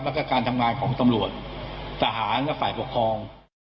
แล้วก็การทำงานของตำรวจทหารและฝ่ายปกครอง